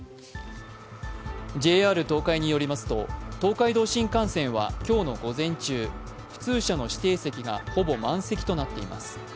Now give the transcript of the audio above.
ＪＲ東海によりますと東海道新幹線は今日の午前中、普通車の指定席がほぼ満席となっています。